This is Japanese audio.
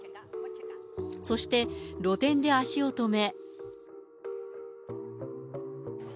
そして露店で足を止め。